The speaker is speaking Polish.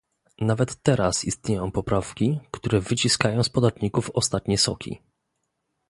Nawet teraz istnieją poprawki, które wyciskają z podatników ostatnie soki